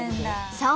そう！